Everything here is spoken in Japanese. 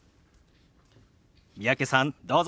三宅さんどうぞ！